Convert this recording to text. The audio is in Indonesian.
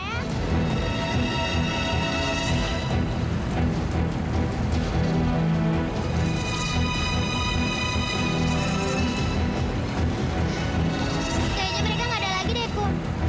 kayaknya mereka gak ada lagi deku